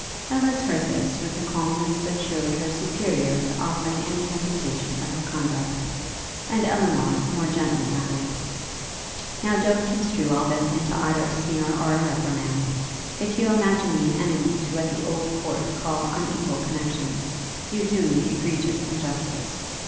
Ellis heard this with a calmness that shewed her superior to offering any vindication of her conduct; and Elinor more gently added, 'Now don't construe all this into either a sneer or a reprimand. If you imagine me an enemy to what the old court call unequal connexions, you do me egregious injustice.